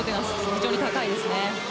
非常に高いですよね。